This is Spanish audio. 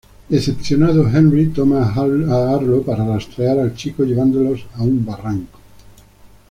Decepcionado, Henry toma a Arlo para rastrear al chico, llevándolos a un barranco.